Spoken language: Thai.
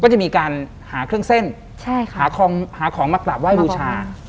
ก็จะมีการหาเครื่องเส้นหาของหาของมากราบไห้บูชา